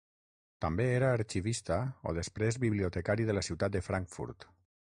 També era arxivista o després bibliotecari de la ciutat de Frankfurt.